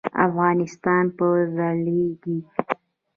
افغانستان به ځلیږي؟